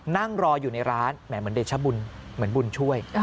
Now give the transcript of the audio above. นั่งรออยู่ในร้านแหมเหมือนเดชบุญเหมือนบุญช่วย